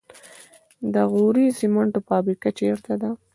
د غوري سمنټو فابریکه چیرته ده؟